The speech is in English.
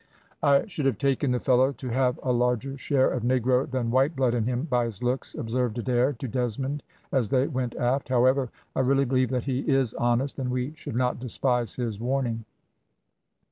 "I should have taken the fellow to have a larger share of negro than white blood in him by his looks," observed Adair to Desmond as they went aft; "however, I really believe that he is honest, and we should not despise his warning."